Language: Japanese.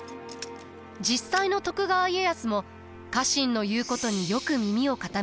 実際の徳川家康も家臣の言うことによく耳を傾けました。